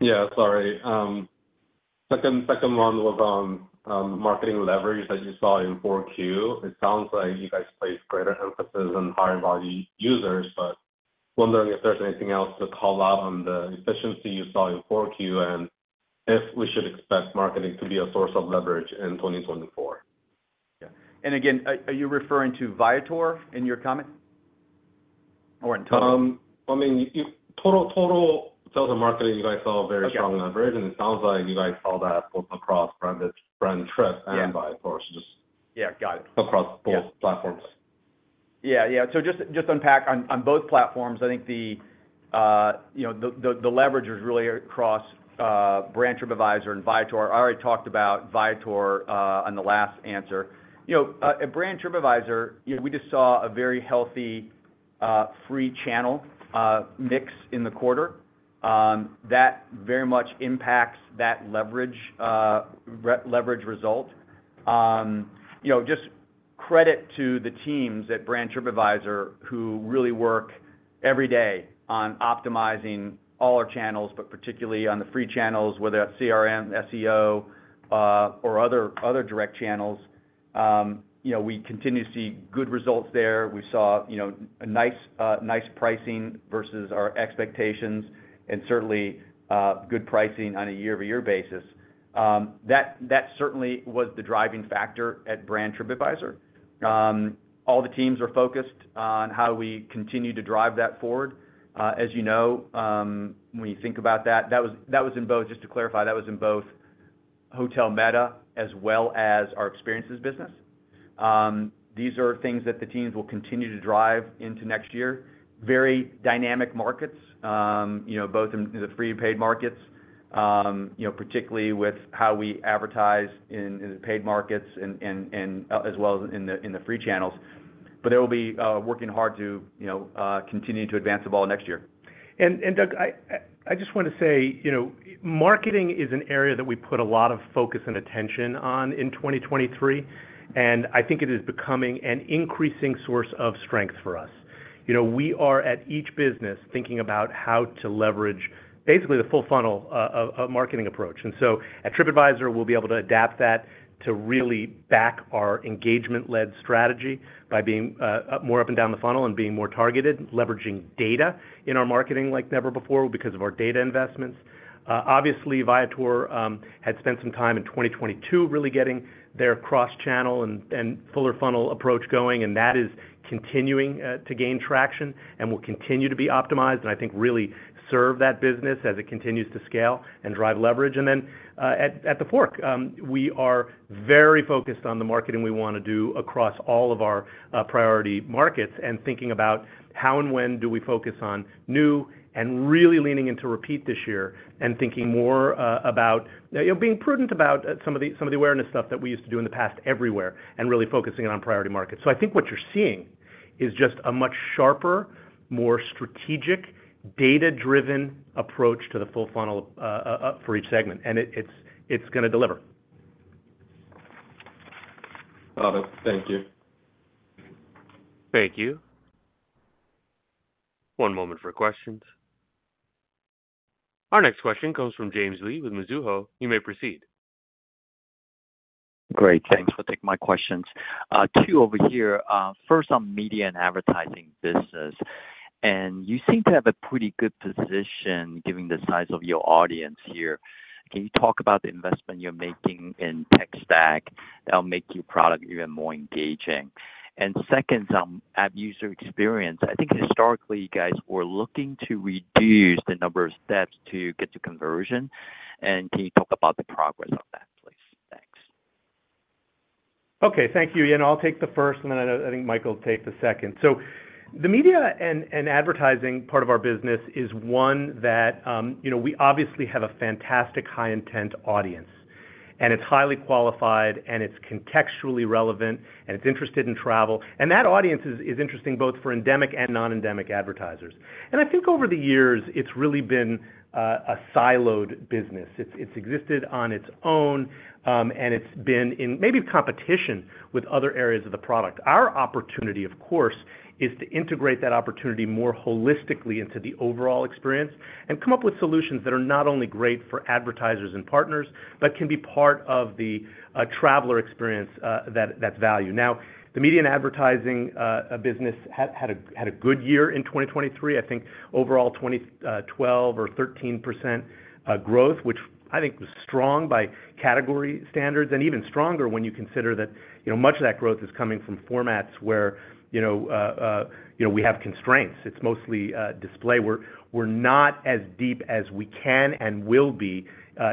Yeah. Sorry. Second one was on marketing leverage that you saw in 4Q. It sounds like you guys place greater emphasis on higher-value users, but wondering if there's anything else to call out on the efficiency you saw in 4Q and if we should expect marketing to be a source of leverage in 2024? Yeah. Again, are you referring to Viator in your comments or in total? Well, I mean, total sales and marketing, you guys saw very strong leverage. It sounds like you guys saw that both across Brand Tripadvisor and Viator, so just across both platforms. Yeah. Yeah. So just to unpack, on both platforms, I think the leverage was really across Brand Tripadvisor and Viator. I already talked about Viator in the last answer. At Brand Tripadvisor, we just saw a very healthy free channel mix in the quarter. That very much impacts that leverage result. Just credit to the teams at Brand Tripadvisor who really work every day on optimizing all our channels, but particularly on the free channels, whether that's CRM, SEO, or other direct channels. We continue to see good results there. We saw a nice pricing versus our expectations and certainly good pricing on a year-over-year basis. That certainly was the driving factor at Brand Tripadvisor. All the teams are focused on how we continue to drive that forward. As you know, when you think about that, that was in both—just to clarify, that was in both Hotel Meta as well as our experiences business. These are things that the teams will continue to drive into next year. Very dynamic markets, both in the free and paid markets, particularly with how we advertise in the paid markets as well as in the free channels. But they will be working hard to continue to advance the ball next year. Doug, I just want to say marketing is an area that we put a lot of focus and attention on in 2023. I think it is becoming an increasing source of strength for us. We are at each business thinking about how to leverage basically the full funnel of marketing approach. So at Tripadvisor, we'll be able to adapt that to really back our engagement-led strategy by being more up and down the funnel and being more targeted, leveraging data in our marketing like never before because of our data investments. Obviously, Viator had spent some time in 2022 really getting their cross-channel and fuller funnel approach going. That is continuing to gain traction and will continue to be optimized and I think really serve that business as it continues to scale and drive leverage. Then at TheFork, we are very focused on the marketing we want to do across all of our priority markets and thinking about how and when do we focus on new and really leaning into repeat this year and thinking more about being prudent about some of the awareness stuff that we used to do in the past everywhere and really focusing it on priority markets. So I think what you're seeing is just a much sharper, more strategic, data-driven approach to the full funnel for each segment. It's going to deliver. Got it. Thank you. Thank you. One moment for questions. Our next question comes from James Lee with Mizuho. You may proceed. Great. Thanks for taking my questions. Two over here. First, on media and advertising business. And you seem to have a pretty good position given the size of your audience here. Can you talk about the investment you're making in tech stack that will make your product even more engaging? And second, on app user experience. I think historically, you guys were looking to reduce the number of steps to get to conversion. And can you talk about the progress on that, please? Thanks. Okay. Thank you, Lee. I'll take the first, and then I think Mike will take the second. The media and advertising part of our business is one that we obviously have a fantastic high-intent audience. It's highly qualified, and it's contextually relevant, and it's interested in travel. That audience is interesting both for endemic and non-endemic advertisers. I think over the years, it's really been a siloed business. It's existed on its own, and it's been in maybe competition with other areas of the product. Our opportunity, of course, is to integrate that opportunity more holistically into the overall experience and come up with solutions that are not only great for advertisers and partners but can be part of the traveler experience that's valued. The media and advertising business had a good year in 2023. I think overall, 12 or 13% growth, which I think was strong by category standards and even stronger when you consider that much of that growth is coming from formats where we have constraints. It's mostly display. We're not as deep as we can and will be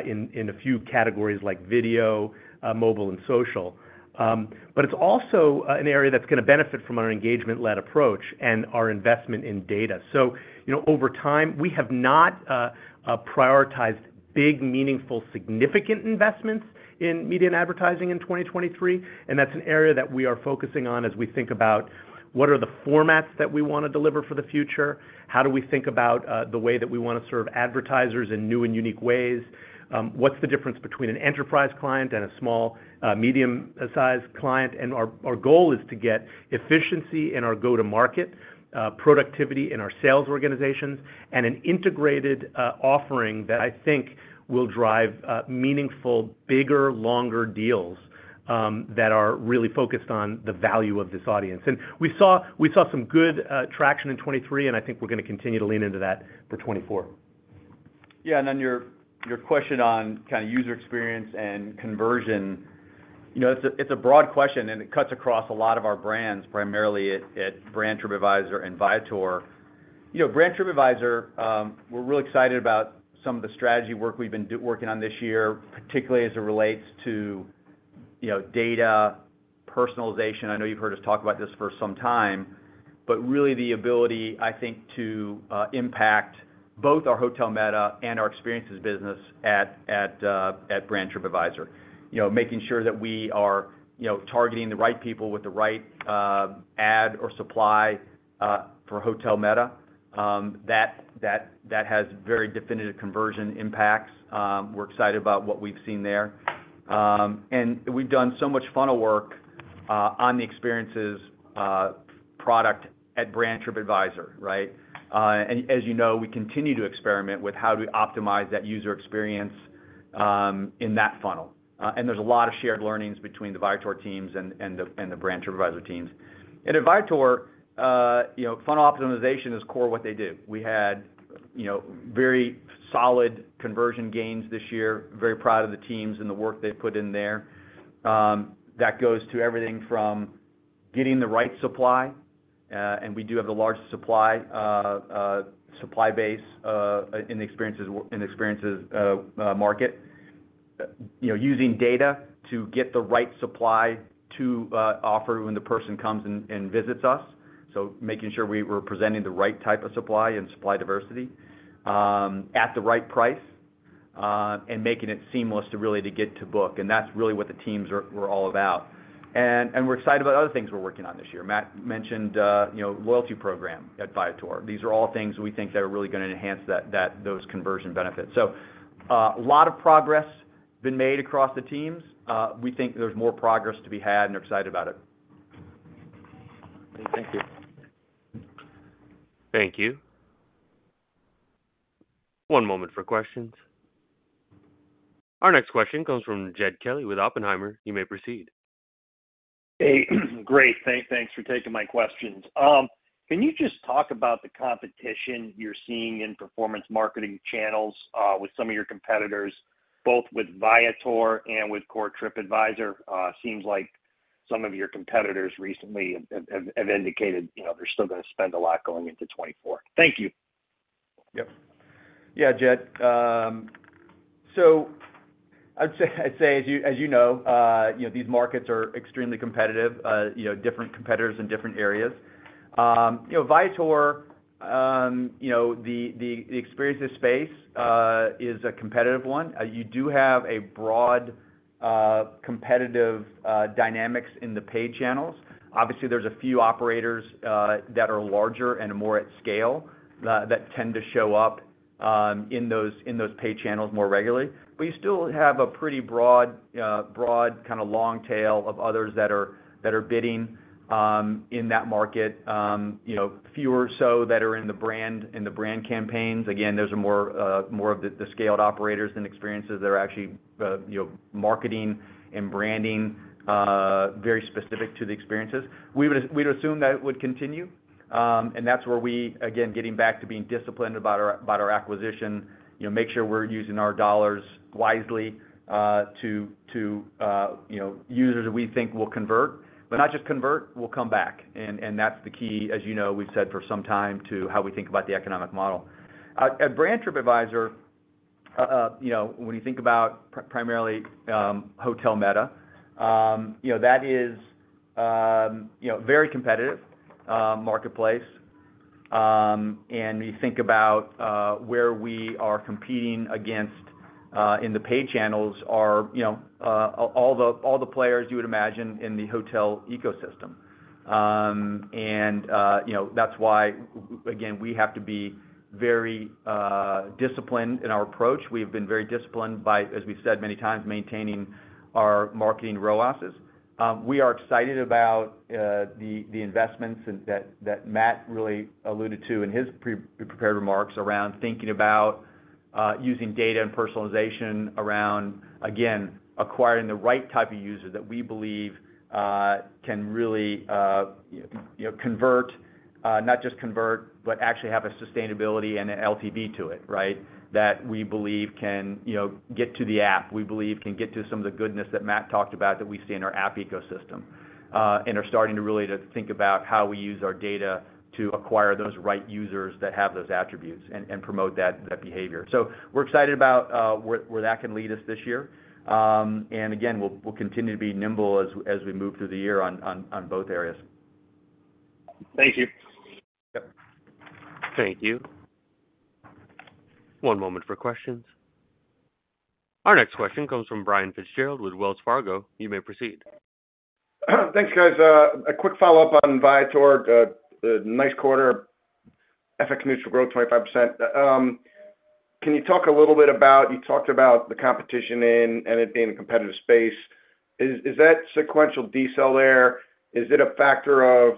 in a few categories like video, mobile, and social. But it's also an area that's going to benefit from our engagement-led approach and our investment in data. So over time, we have not prioritized big, meaningful, significant investments in media and advertising in 2023. And that's an area that we are focusing on as we think about what are the formats that we want to deliver for the future? How do we think about the way that we want to serve advertisers in new and unique ways? What's the difference between an enterprise client and a small, medium-sized client? Our goal is to get efficiency in our go-to-market, productivity in our sales organizations, and an integrated offering that I think will drive meaningful, bigger, longer deals that are really focused on the value of this audience. We saw some good traction in 2023, and I think we're going to continue to lean into that for 2024. Yeah. And then your question on kind of user experience and conversion, it's a broad question, and it cuts across a lot of our brands, primarily at Brand Tripadvisor and Viator. Brand Tripadvisor, we're really excited about some of the strategy work we've been working on this year, particularly as it relates to data, personalization. I know you've heard us talk about this for some time, but really the ability, I think, to impact both our Hotel Meta and our experiences business at Brand Tripadvisor, making sure that we are targeting the right people with the right ad or supply for Hotel Meta. That has very definitive conversion impacts. We're excited about what we've seen there. And we've done so much funnel work on the experiences product at Brand Tripadvisor, right? And as you know, we continue to experiment with how do we optimize that user experience in that funnel. There's a lot of shared learnings between the Viator teams and the Brand Tripadvisor teams. At Viator, funnel optimization is core what they do. We had very solid conversion gains this year. Very proud of the teams and the work they put in there. That goes to everything from getting the right supply - and we do have the largest supply base in the experiences market - using data to get the right supply to offer when the person comes and visits us. So making sure we were presenting the right type of supply and supply diversity at the right price and making it seamless to really get to book. And that's really what the teams were all about. We're excited about other things we're working on this year. Matt mentioned the loyalty program at Viator. These are all things we think that are really going to enhance those conversion benefits. A lot of progress has been made across the teams. We think there's more progress to be had, and they're excited about it. Great. Thank you. Thank you. One moment for questions. Our next question comes from Jed Kelly with Oppenheimer. You may proceed. Hey. Great. Thanks for taking my questions. Can you just talk about the competition you're seeing in performance marketing channels with some of your competitors, both with Viator and with Core Tripadvisor? Seems like some of your competitors recently have indicated they're still going to spend a lot going into 2024. Thank you. Yep. Yeah, Jed. So I'd say, as you know, these markets are extremely competitive, different competitors in different areas. Viator, the experiences space is a competitive one. You do have a broad competitive dynamics in the paid channels. Obviously, there's a few operators that are larger and more at scale that tend to show up in those paid channels more regularly. But you still have a pretty broad kind of long tail of others that are bidding in that market, fewer so that are in the brand campaigns. Again, those are more of the scaled operators than experiences that are actually marketing and branding very specific to the experiences. We'd assume that would continue. And that's where we, again, getting back to being disciplined about our acquisition, make sure we're using our dollars wisely to users that we think will convert. But not just convert, will come back. And that's the key, as you know, we've said for some time, to how we think about the economic model. At Brand Tripadvisor, when you think about primarily Hotel Meta, that is a very competitive marketplace. And you think about where we are competing against in the paid channels are all the players you would imagine in the hotel ecosystem. And that's why, again, we have to be very disciplined in our approach. We have been very disciplined by, as we've said many times, maintaining our marketing ROASs. We are excited about the investments that Matt really alluded to in his prepared remarks around thinking about using data and personalization around, again, acquiring the right type of user that we believe can really convert, not just convert, but actually have a sustainability and an LTV to it, right, that we believe can get to the app, we believe can get to some of the goodness that Matt talked about that we see in our app ecosystem and are starting to really think about how we use our data to acquire those right users that have those attributes and promote that behavior. So we're excited about where that can lead us this year. And again, we'll continue to be nimble as we move through the year on both areas. Thank you. Yep. Thank you. One moment for questions. Our next question comes from Brian FitzGerald with Wells Fargo. You may proceed. Thanks, guys. A quick follow-up on Viator. Nice quarter. FX neutral growth 25%. Can you talk a little bit about you talked about the competition and it being a competitive space. Is that sequential decel there? Is it a factor of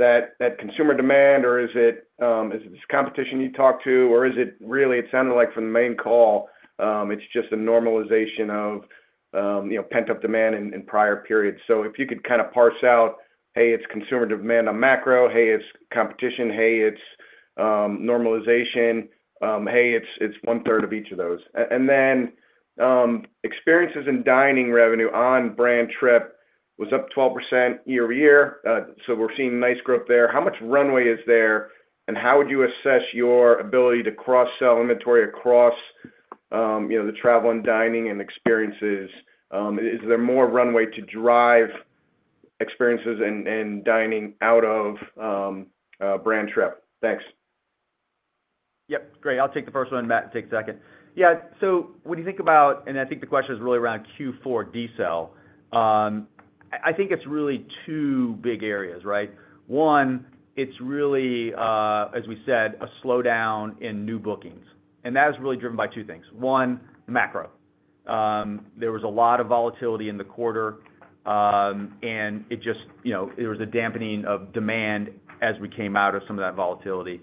that consumer demand, or is it this competition you talked about? Or is it really it sounded like from the main call, it's just a normalization of pent-up demand in prior periods. So if you could kind of parse out, "Hey, it's consumer demand on macro. Hey, it's competition. Hey, it's normalization. Hey, it's 1/3 of each of those." And then experiences and dining revenue on Brand Tripadvisor was up 12% year-to-year. So we're seeing nice growth there. How much runway is there, and how would you assess your ability to cross-sell inventory across the travel and dining and experiences? Is there more runway to drive experiences and dining out of Brand Tripadvisor? Thanks. Yep. Great. I'll take the first one. Matt, take a second. Yeah. So when you think about and I think the question is really around Q4 decel. I think it's really two big areas, right? One, it's really, as we said, a slowdown in new bookings. And that is really driven by two things. One, macro. There was a lot of volatility in the quarter, and it just, there was a dampening of demand as we came out of some of that volatility.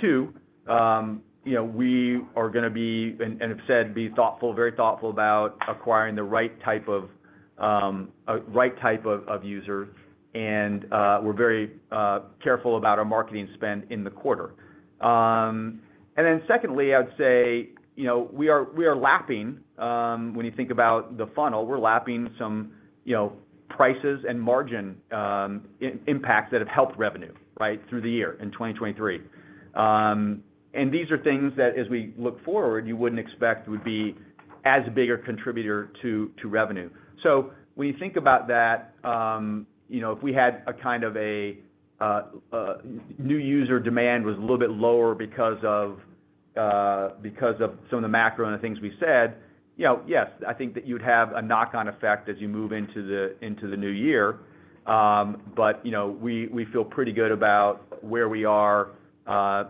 Two, we are going to be, and I've said, be thoughtful, very thoughtful about acquiring the right type of user. And we're very careful about our marketing spend in the quarter. And then secondly, I would say we are lapping when you think about the funnel. We're lapping some prices and margin impacts that have helped revenue, right, through the year in 2023. These are things that, as we look forward, you wouldn't expect would be as a bigger contributor to revenue. So when you think about that, if we had a kind of a new user demand was a little bit lower because of some of the macro and the things we said, yes, I think that you'd have a knock-on effect as you move into the new year. But we feel pretty good about where we are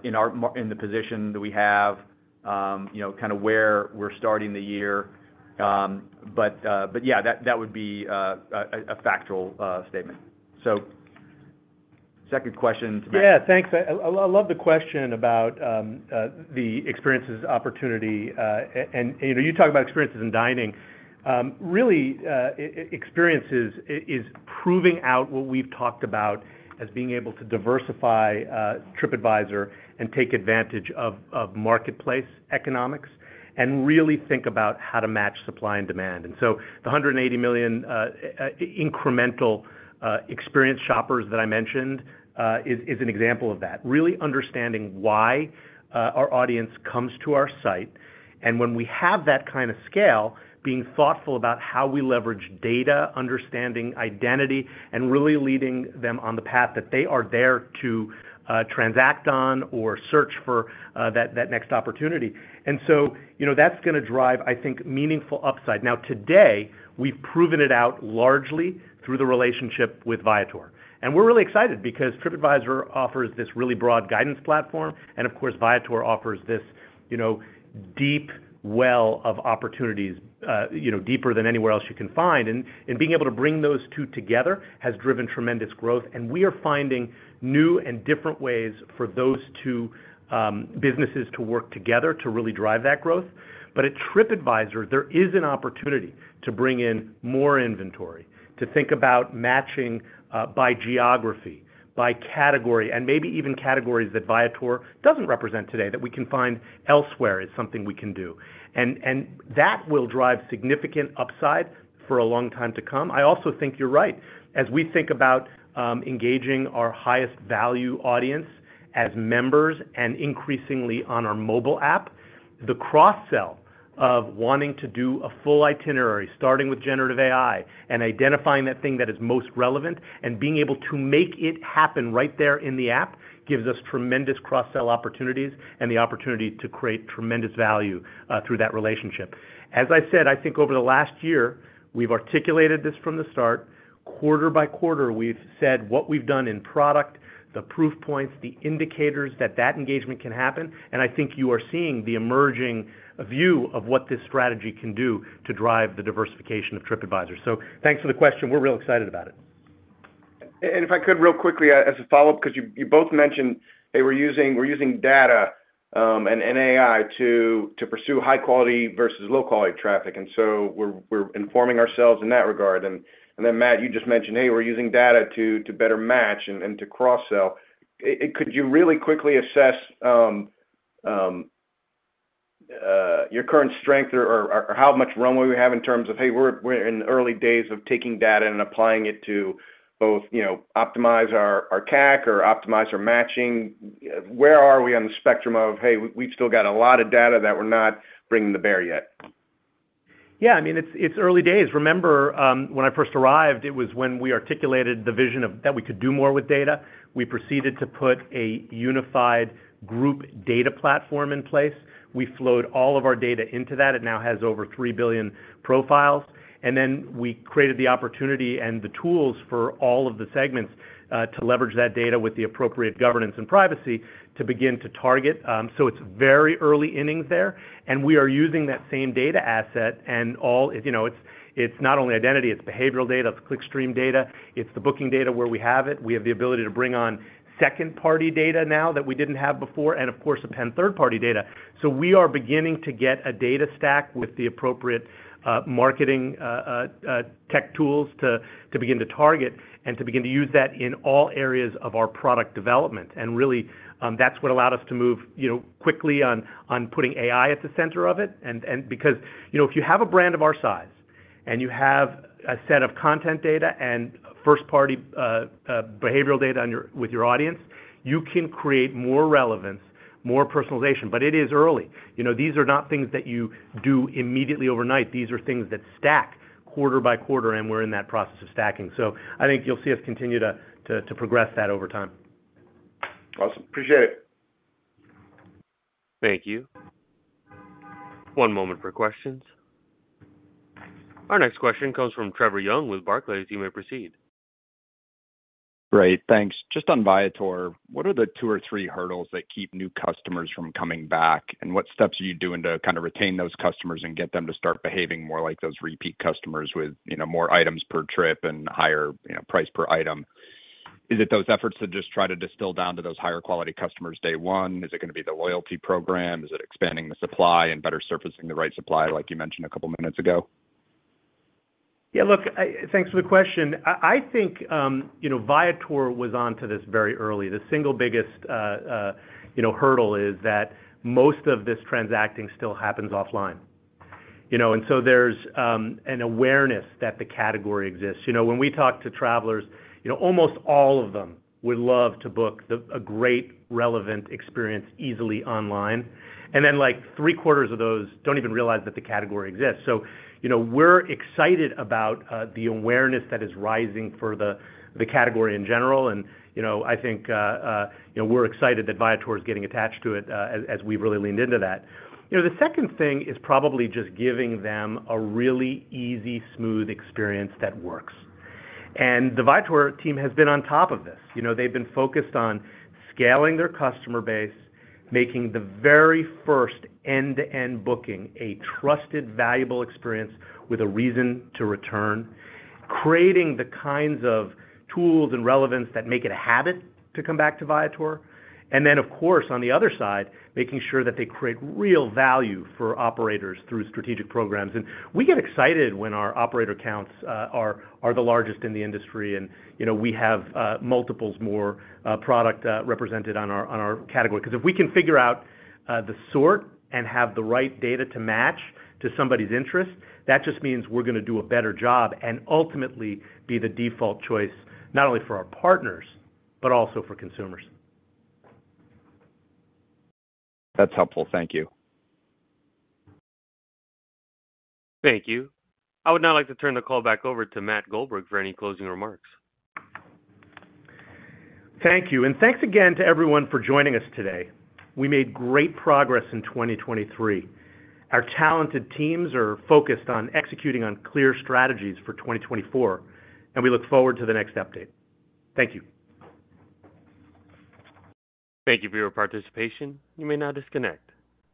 in the position that we have, kind of where we're starting the year. But yeah, that would be a factual statement. So second question to Matt. Yeah. Thanks. I love the question about the experiences opportunity. You talk about experiences in dining. Really, experiences is proving out what we've talked about as being able to diversify Tripadvisor and take advantage of marketplace economics and really think about how to match supply and demand. So the 180 million incremental experience shoppers that I mentioned is an example of that, really understanding why our audience comes to our site. When we have that kind of scale, being thoughtful about how we leverage data, understanding identity, and really leading them on the path that they are there to transact on or search for that next opportunity. So that's going to drive, I think, meaningful upside. Now, today, we've proven it out largely through the relationship with Viator. We're really excited because Tripadvisor offers this really broad guidance platform. And of course, Viator offers this deep well of opportunities, deeper than anywhere else you can find. And being able to bring those two together has driven tremendous growth. And we are finding new and different ways for those two businesses to work together to really drive that growth. But at Tripadvisor, there is an opportunity to bring in more inventory, to think about matching by geography, by category, and maybe even categories that Viator doesn't represent today, that we can find elsewhere is something we can do. And that will drive significant upside for a long time to come. I also think you're right. As we think about engaging our highest-value audience as members and increasingly on our mobile app, the cross-sell of wanting to do a full itinerary, starting with generative AI and identifying that thing that is most relevant and being able to make it happen right there in the app gives us tremendous cross-sell opportunities and the opportunity to create tremendous value through that relationship. As I said, I think over the last year, we've articulated this from the start. Quarter by quarter, we've said what we've done in product, the proof points, the indicators that that engagement can happen. I think you are seeing the emerging view of what this strategy can do to drive the diversification of Tripadvisor. So thanks for the question. We're real excited about it. And if I could, real quickly, as a follow-up, because you both mentioned, "Hey, we're using data and AI to pursue high-quality versus low-quality traffic." And so we're informing ourselves in that regard. And then, Matt, you just mentioned, "Hey, we're using data to better match and to cross-sell." Could you really quickly assess your current strength or how much runway we have in terms of, "Hey, we're in the early days of taking data and applying it to both optimize our CAC or optimize our matching"? Where are we on the spectrum of, "Hey, we've still got a lot of data that we're not bringing to bear yet"? Yeah. I mean, it's early days. Remember, when I first arrived, it was when we articulated the vision that we could do more with data. We proceeded to put a unified group data platform in place. We flowed all of our data into that. It now has over 3 billion profiles. And then we created the opportunity and the tools for all of the segments to leverage that data with the appropriate governance and privacy to begin to target. So it's very early innings there. And we are using that same data asset. And it's not only identity. It's behavioral data. It's clickstream data. It's the booking data where we have it. We have the ability to bring on second-party data now that we didn't have before and, of course, append third-party data. We are beginning to get a data stack with the appropriate marketing tech tools to begin to target and to begin to use that in all areas of our product development. And really, that's what allowed us to move quickly on putting AI at the center of it. And because if you have a brand of our size and you have a set of content data and first-party behavioral data with your audience, you can create more relevance, more personalization. But it is early. These are not things that you do immediately overnight. These are things that stack quarter by quarter, and we're in that process of stacking. So I think you'll see us continue to progress that over time. Awesome. Appreciate it. Thank you. One moment for questions. Our next question comes from Trevor Young with Barclays. You may proceed. Great. Thanks. Just on Viator, what are the two or three hurdles that keep new customers from coming back? And what steps are you doing to kind of retain those customers and get them to start behaving more like those repeat customers with more items per trip and higher price per item? Is it those efforts to just try to distill down to those higher-quality customers day one? Is it going to be the loyalty program? Is it expanding the supply and better surfacing the right supply, like you mentioned a couple of minutes ago? Yeah. Look, thanks for the question. I think Viator was onto this very early. The single biggest hurdle is that most of this transacting still happens offline. And so there's an awareness that the category exists. When we talk to travelers, almost all of them would love to book a great, relevant experience easily online. And then three-quarters of those don't even realize that the category exists. So we're excited about the awareness that is rising for the category in general. And I think we're excited that Viator is getting attached to it as we've really leaned into that. The second thing is probably just giving them a really easy, smooth experience that works. And the Viator team has been on top of this. They've been focused on scaling their customer base, making the very first end-to-end booking a trusted, valuable experience with a reason to return, creating the kinds of tools and relevance that make it a habit to come back to Viator. And then, of course, on the other side, making sure that they create real value for operators through strategic programs. And we get excited when our operator counts are the largest in the industry, and we have multiples more product represented on our category. Because if we can figure out the sort and have the right data to match to somebody's interest, that just means we're going to do a better job and ultimately be the default choice not only for our partners but also for consumers. That's helpful. Thank you. Thank you. I would now like to turn the call back over to Matt Goldberg for any closing remarks. Thank you. Thanks again to everyone for joining us today. We made great progress in 2023. Our talented teams are focused on executing on clear strategies for 2024, and we look forward to the next update. Thank you. Thank you for your participation. You may now disconnect.